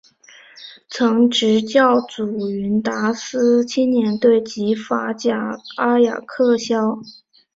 曾执教祖云达斯青年队及法甲阿雅克肖。